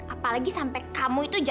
apalagi sampai kamu itu jatuh ke dalam